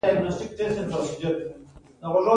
موږ د نوي چانسلر له برکته د کور هیله لرو